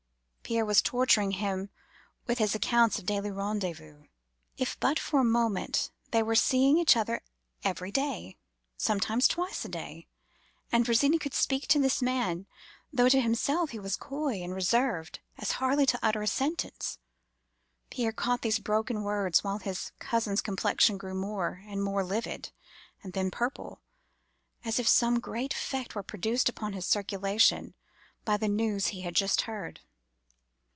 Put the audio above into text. Pierre was torturing him with his accounts of daily rendezvous: if but for a moment, they were seeing each other every day, sometimes twice a day. And Virginie could speak to this man, though to himself she was coy and reserved as hardly to utter a sentence. Pierre caught these broken words while his cousin's complexion grew more and more livid, and then purple, as if some great effect were produced on his circulation by the news he had just heard.